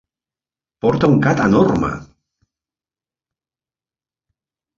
Porta un Cat enorme!